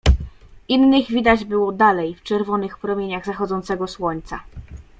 Innych widać było dalej, w czerwonych promieniach zachodzącego słońca.